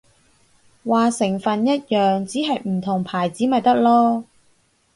話成分一樣，只係唔同牌子咪得囉